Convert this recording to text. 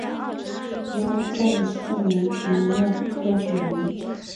雍正四年丙午科举人。